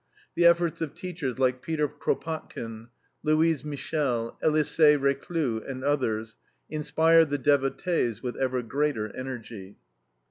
The efforts of teachers like Peter Kropotkin, Louise Michel, Elisee Reclus, and others, inspire the devotees with ever greater energy.